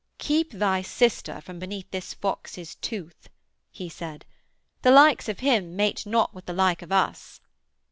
'Keep thy sister from beneath this fox's tooth,' he said. 'The likes of him mate not with the like of us.'